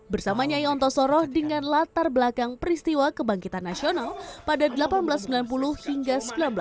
bersama nyai ontosoroh dengan latar belakang peristiwa kebangkitan nasional pada seribu delapan ratus sembilan puluh hingga seribu sembilan ratus sembilan puluh